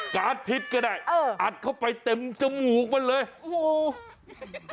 การ์ดพิษก็ได้อัดเข้าไปเต็มจมูกมันเลยโอ้โฮ